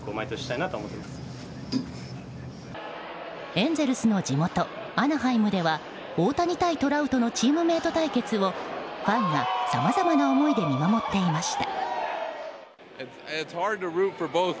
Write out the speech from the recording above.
エンゼルスの地元アナハイムでは大谷対トラウトのチームメート対決をファンがさまざまな思いで見守っていました。